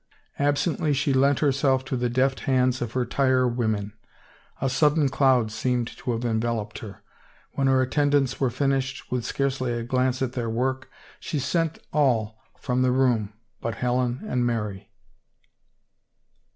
Absently she lent herself to the deft hands of her tire women ; a sudden cloud seemed to have enveloped her. When her attendants were finished, with scarcely a glance at their work, she sent all from the room but Helen and Mary.